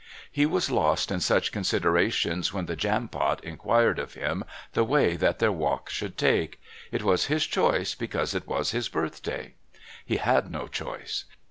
He was lost in such considerations when the Jampot inquired of him the way that their walk should take it was his choice because it was his Birthday. He had no choice.